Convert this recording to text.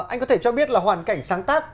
anh có thể cho biết là hoàn cảnh sáng tác